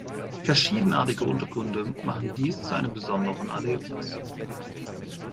Verschiedenartige Untergründe machen dies zu einem besonderen Erlebnis.